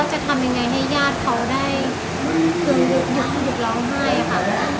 จะทำไงให้เขออกมาร่างปัจจุมันอยู่ในมากที่สุด